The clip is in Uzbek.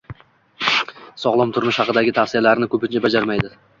sog‘lom turmush haqidagi tavsiyalarni ko‘pincha bajarmaydi.